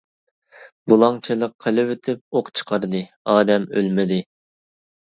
بۇلاڭچىلىق قىلىۋېتىپ ئوق چىقاردى، ئادەم ئۆلمىدى.